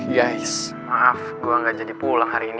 yes maaf gue gak jadi pulang hari ini